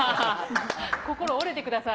心折れてください。